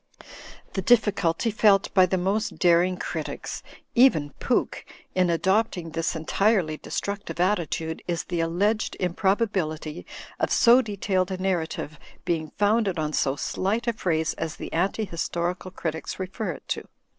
"The difficulty felt by the most daring critics (even io8 THE FLYING INN Pooke) in adopting this entirely destructive attitu^ is the alleged improbability of so detailed a narratii^we being founded on so slight a phrase as the anti histo cal critics refer it to.